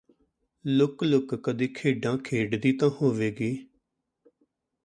ਲੁਕ ਲੁਕ ਕਦੀ ਖੇਡਾਂ ਖੇਡਦੀ ਤਾਂ ਹੋਵੇਗੀ